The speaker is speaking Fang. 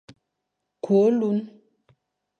Kü ôlun,